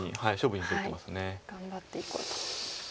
頑張っていこうと。